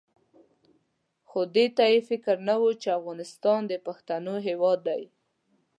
خو دې ته یې فکر نه وو چې افغانستان د پښتنو هېواد دی.